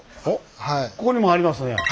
おっここにもありますね。